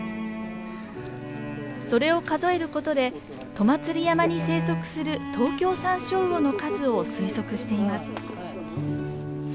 それを数えることで戸祭山に生息するトウキョウサンショウウオの数を推測しています。